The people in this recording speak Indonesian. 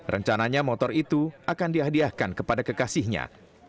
rencananya motor itu akan dihadiahkan kepada kekasihnya